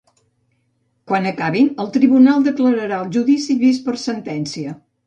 Quan acabin, el tribunal declararà el judici vist per sentència.